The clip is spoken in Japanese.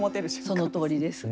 そのとおりです。